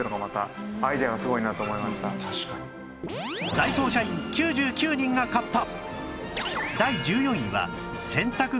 ダイソー社員９９人が買った